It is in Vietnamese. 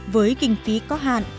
với kinh phí có hạn